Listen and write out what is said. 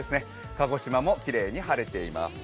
鹿児島もきれいに晴れています。